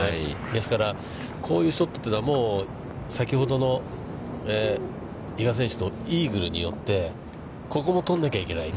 ですから、こういうショットというのは、先ほどの比嘉選手のイーグルによって、ここも取らなきゃいけない。